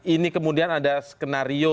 ini kemudian ada skenario